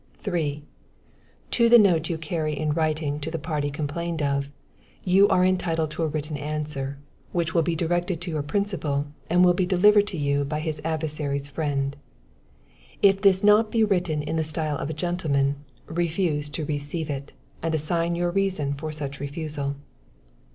3. To the note you carry in writing to the party complained of, you are entitled to a written answer, which will be directed to your principal and will be delivered to you by his adversary's friend. If this be not written in the style of a gentleman, refuse to receive it, and assign your reason for such refusal.